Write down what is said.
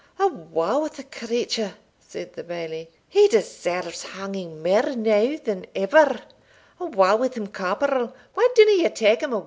"Awa' wi' the creature!" said the Bailie, "he deserves hanging mair now than ever; awa' wi' him, corporal. Why dinna ye tak him awa'?"